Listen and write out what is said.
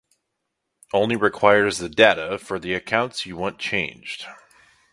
Only requires the data for the accounts you want changed